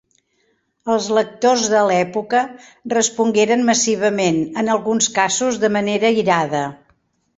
Els lectors de l'època respongueren massivament, en alguns casos de manera irada.